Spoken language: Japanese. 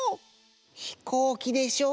ひこうきでしょ